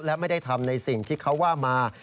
และไม่ได้ทำในสิ่งที่เขาว่ามา